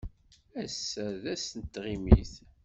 Ass-a d ass n tɣimit.